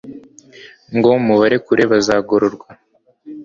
ngo mubarekure bazagororwa